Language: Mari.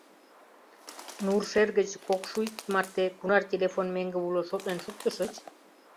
— Нуршер гыч Кокшуйск марте кунар телефон меҥге уло, шотлен шуктышыч?